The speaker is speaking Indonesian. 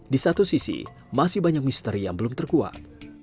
di satu sisi masih banyak misteri yang belum terkuat